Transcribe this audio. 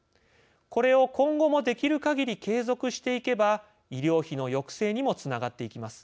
これを今後もできるかぎり継続していけば医療費の抑制にもつながっていきます。